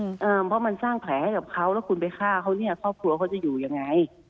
เพราะมันสร้างแผลให้กับเขาแล้วคุณไปฆ่าเขาเนี่ยครอบครัวเขาจะอยู่ยังไง